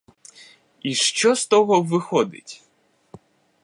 І що з того виходить?